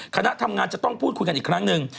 คณะทำงานจะต้องพูดคุยกันอีกครั้งหนึ่ง